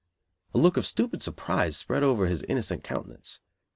A look of stupid surprise spread over his innocent countenance.